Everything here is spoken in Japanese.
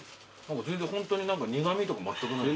全然ホントに苦味とかまったくない。